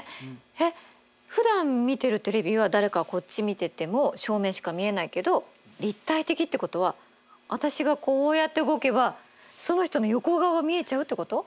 えっふだん見てるテレビは誰かがこっち見てても正面しか見えないけど立体的ってことは私がこうやって動けばその人の横顔が見えちゃうってこと？